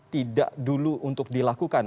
tidak dulu untuk dilakukan